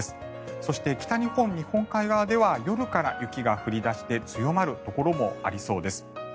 そして、北日本日本海側では夜から雪が降り出して強まるところもありそうです。